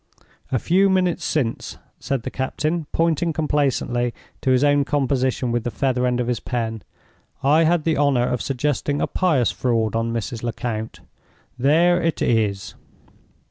"A few minutes since," said the captain, pointing complacently to his own composition with the feather end of his pen, "I had the honor of suggesting a pious fraud on Mrs. Lecount. There it is!"